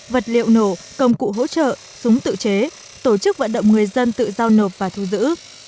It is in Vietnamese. vật liệu nổ công cụ hỗ trợ súng tự chế tổ chức vận động người dân tự giao nộp và thu giữ